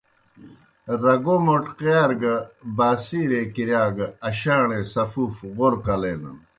رگو موٹقِیار گہ باسیرے کِرِیا گہ اشاݨے سفوف غورہ کلینَن۔